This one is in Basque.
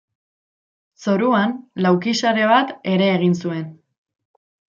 Zoruan lauki-sare bat ere egin zuen.